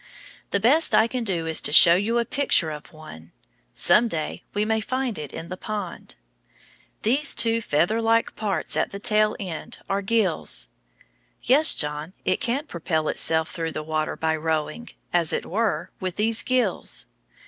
The best I can do is to show you a picture of one. Some day we may find it in the pond. Those two feather like parts at the tail end are gills. Yes, John, it can propel itself through the water by rowing, as it were, with these gills.